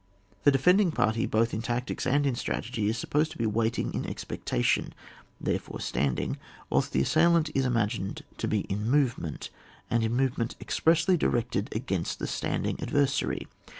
The defending party, both in tactics and in strategy, is supposed to be waiting in expectation, therefore standing, whilst the assailant is imagined to be in move ment, and in movement expressly directed against that standing adversary.